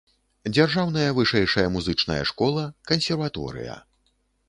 Дзяржаўная вышэйшая музычная школа, кансерваторыя.